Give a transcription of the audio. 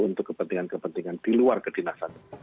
untuk kepentingan kepentingan di luar kedinasan